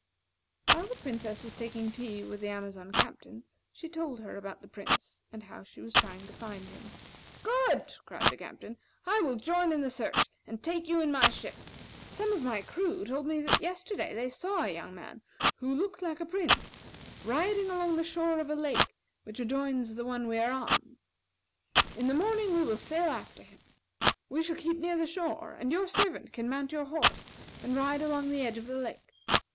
"While the Princess was taking tea with the Amazon Captain, she told her about the Prince, and how she was trying to find him. "Good!" cried the Captain. "I will join in the search, and take you in my ship. Some of my crew told me that yesterday they saw a young man, who looked like a prince, riding along the shore of a lake which adjoins the one we are on. In the morning we will sail after him. We shall keep near the shore, and your servant can mount your horse and ride along the edge of the lake.